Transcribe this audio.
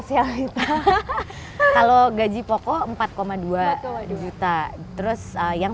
ini arah istilahnya